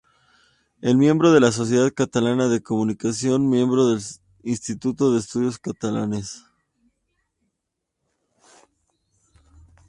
Es miembro de la Sociedad Catalana de Comunicación, miembro del Instituto de Estudios Catalanes.